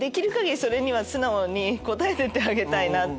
それには素直に応えてってあげたいな。